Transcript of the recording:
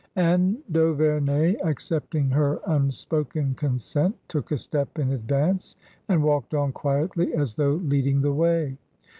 > And d' Auvemey,;st&epting her unspoken consent, took a step in advance and walked on quietly as though lead ing the way.